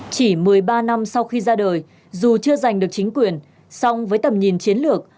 chỉ một mươi ba năm sau khi ra đời dù chưa giành được chính quyền song với tầm nhìn chiến lược